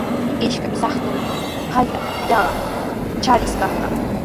Ishkay suqakuqtami hallaqatraw qanyan chariyashqa.